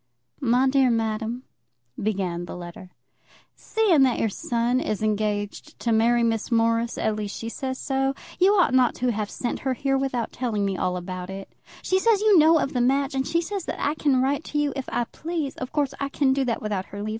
MY DEAR MADAM, [began the letter] Seeing that your son is engaged to marry Miss Morris, at least she says so, you ought not to have sent her here without telling me all about it. She says you know of the match, and she says that I can write to you if I please. Of course, I can do that without her leave.